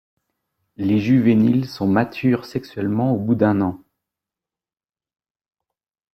Les juvéniles sont matures sexuellement au bout d'un an.